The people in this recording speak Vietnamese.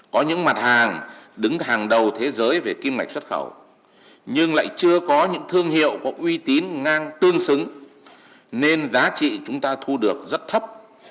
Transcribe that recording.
có những mặt hàng đứng hàng đầu thế giới về kim ngạch xuất khẩu nhưng lại chưa có những thương hiệu có uy tín ngang tương xứng nên giá trị chúng ta thu được rất thấp